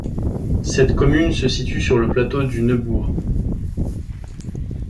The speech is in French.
Cette commune se situe sur le plateau du Neubourg.